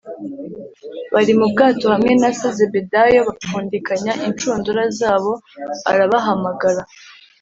bari mu bwato hamwe na se Zebedayo bapfundikanya inshundura zabo arabahamagara.